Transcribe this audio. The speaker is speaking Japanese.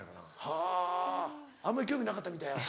はぁあんまり興味なかったみたいや。